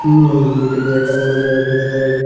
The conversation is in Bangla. একটা গভর্ণর জেনারেল গেলে তাঁর জায়গায় আর একটা আসবেই।